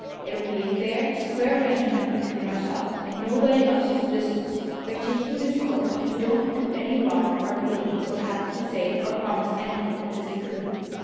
It would be a fair, square arrangement between ourselves, and nobody else's business. By taking this course, we don't do any wrong to our feelings or have to say or promise anything that isn't true."